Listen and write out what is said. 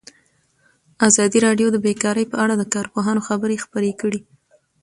ازادي راډیو د بیکاري په اړه د کارپوهانو خبرې خپرې کړي.